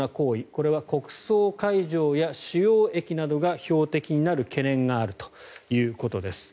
これは国葬会場や主要駅などが標的になる懸念があるということです。